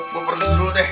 gua permisi dulu deh